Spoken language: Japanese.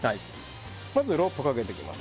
まずロープをかけていきます。